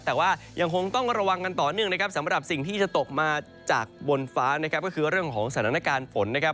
แต่ว่ายังคงต้องระวังกันต่อเนื่องนะครับสำหรับสิ่งที่จะตกมาจากบนฟ้านะครับก็คือเรื่องของสถานการณ์ฝนนะครับ